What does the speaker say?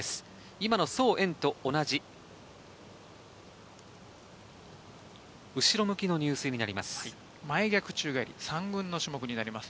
今のソウ・エンと同じ後ろ向きの入水になります。